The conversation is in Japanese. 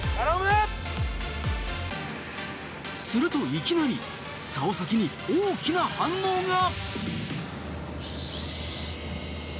するといきなりさお先に大きな反応が！